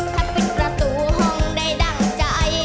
ถ้าเป็นประตูห้องได้ดั่งใจ